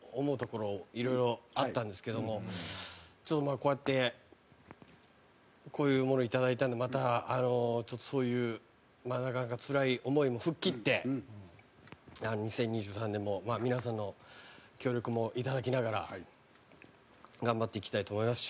こうやってこういうものをいただいたんでまた、そういう、なかなかつらい思いも吹っ切って２０２３年も皆さんの協力もいただきながら頑張っていきたいと思いますし。